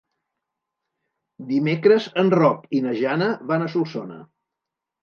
Dimecres en Roc i na Jana van a Solsona.